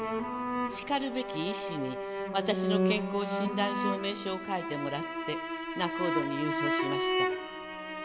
「しかるべき医師に私の健康診断証明書を書いてもらって仲人に郵送しました。